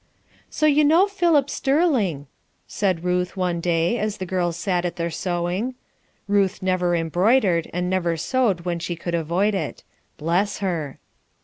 "So you know Philip Sterling," said Ruth one day as the girls sat at their sewing. Ruth never embroidered, and never sewed when she could avoid it. Bless her.